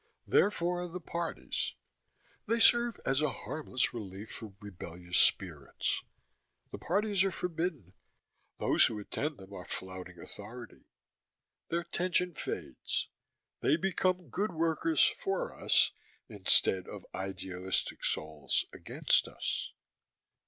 Therefore, the parties. They serve as a harmless release for rebellious spirits. The parties are forbidden. Those who attend them are flouting authority. Their tension fades. They become good workers, for us, instead of idealistic souls, against us."